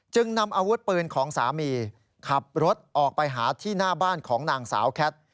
นำอาวุธปืนของสามีขับรถออกไปหาที่หน้าบ้านของนางสาวแคท